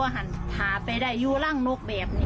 แต่ถ้าให้มีขุมดลางโน้กแบบนี้